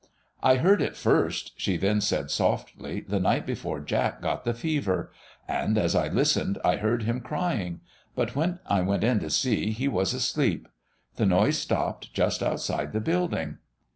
"I heard it first," she then said softly, "the night before Jack got the fever. And as I listened, I heard him crying. But when I went in to see he was asleep. The noise stopped just outside the building."